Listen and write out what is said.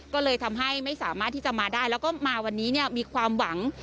ก็เลยทำให้ไม่สามารถที่จะมาได้แล้วก็มาวันนี้เนี่ยมีความหวัง